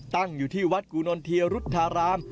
ตั้งอยู่ที่วัดกูนนเทียรุธาราม